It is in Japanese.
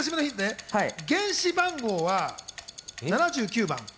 原子番号は７９番。